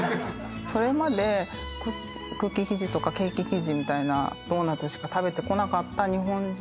それまでクッキー生地とかケーキ生地みたいなドーナツしか食べてこなかった日本人